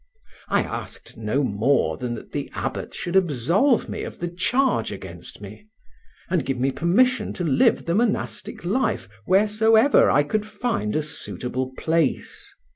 I asked no more than that the abbot should absolve me of the charge against me, and give me permission to live the monastic life wheresoever I could find a suitable place.